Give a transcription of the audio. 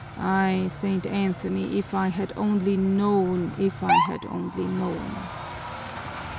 Ay, St. Anthony, if I had only known, if I had only known!